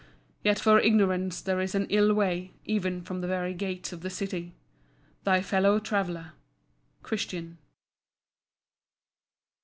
Yet for Ignorance there is an ill way, even from the very gates of the City.—Thy fellow traveller, CHRISTIAN.